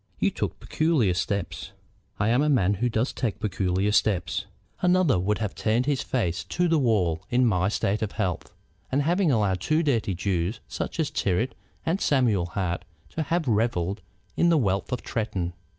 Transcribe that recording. "You took peculiar steps." "I am a man who does take peculiar steps. Another would have turned his face to the wall in my state of health, and have allowed two dirty Jews such as Tyrrwhit and Samuel Hart to have revelled in the wealth of Tretton.